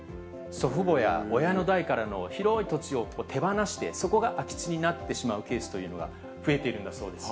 祖父母や親の代からの、広い土地を手放して、そこが空き地になってしまうケースというのが、増えているんだそうです。